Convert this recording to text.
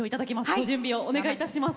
ご準備をお願いいたします。